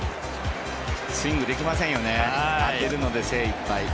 スイングできませんよね当てるので精いっぱい。